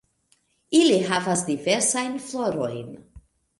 Ili havas diversajn florojn.